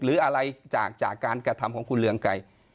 หรืออะไรจากการกระทำของคุณเรืองไกร